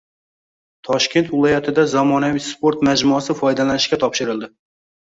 Toshkent viloyatida zamonaviy sport majmuasi foydalanishga topshirildi